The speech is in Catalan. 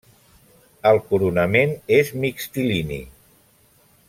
El coronament és mixtilini.